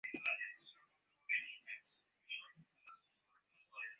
ভাষা-বিজ্ঞানের ক্ষেত্রে ইহা এখন সর্ববাদিসম্মত যে, আমাদের সংস্কৃত ভাষা যাবতীয় ইউরোপীয় ভাষার ভিত্তি।